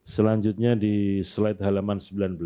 selanjutnya di slide halaman sembilan belas